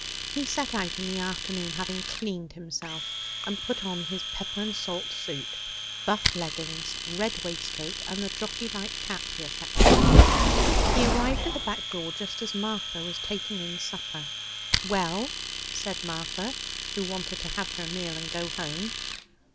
He set out in the afternoon, having 'cleaned' himself and put on his pepper and salt suit, buff leggings, red waistcoat, and the jockey like cap he affected. He arrived at the back door just as Martha was taking in supper. 'Well?' said Martha, who wanted to have her meal and go home.